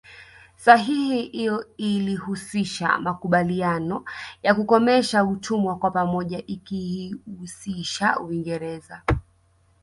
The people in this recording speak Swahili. Sahihi iyo ilihusisha makubaliano ya kukomesha utumwa kwa pamoja ikiihusisha Uingereza